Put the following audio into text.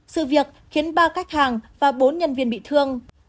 sự việc khiến ba khách hàng và bốn nhân viên bị thương